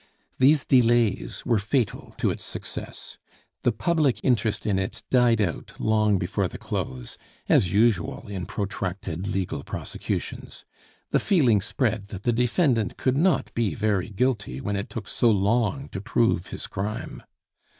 These delays were fatal to its success. The public interest in it died out long before the close, as usual in protracted legal prosecutions; the feeling spread that the defendant could not be very guilty when it took so long to prove his crime.